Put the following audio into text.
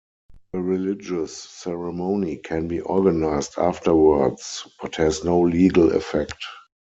A religious ceremony can be organised afterwards, but has no legal effect.